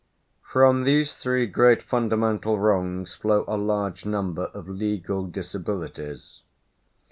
From these three great fundamental wrongs flow a large number of legal disabilities.